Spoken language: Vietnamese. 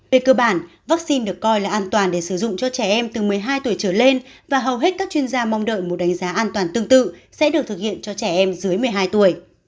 về cơ bản vaccine được coi là an toàn để sử dụng cho trẻ em từ một mươi hai tuổi trở lên và hầu hết các chuyên gia mong đợi một đánh giá an toàn tương tự sẽ được thực hiện cho trẻ em dưới một mươi hai tuổi